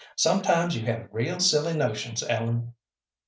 "Sometimes you have real silly notions, Ellen."